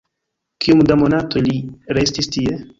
Kiom da monatoj li restis tie?